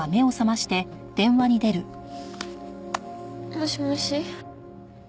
もしもし。